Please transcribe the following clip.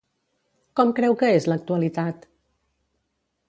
Com creu que és l'actualitat?